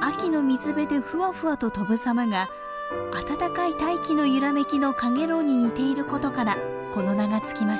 秋の水辺でフワフワと飛ぶ様があたたかい大気の揺らめきの陽炎に似ていることからこの名が付きました。